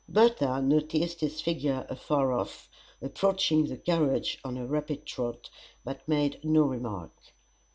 Bertha noticed his figure afar off, approaching the carriage on a rapid trot, but made no remark.